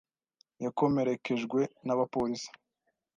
yakomerekejwe n'abapolisi.